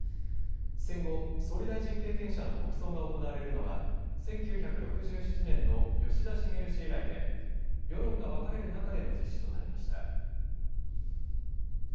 戦後、総理大臣経験者の国葬が行われるのは１９６７年の吉田茂氏以来で世論が分かれる中での実施となりました。